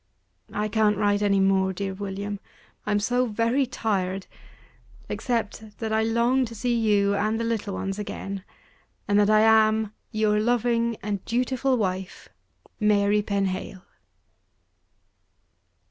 I can't write any more, dear William, I'm so very tired; except that I long to see you and the little ones again; and that I am, Your loving and dutiful wife, MARY PENHALE.